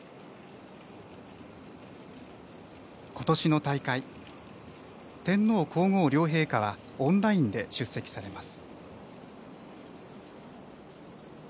今年の大会、天皇皇后両陛下はオンラインで出席されます。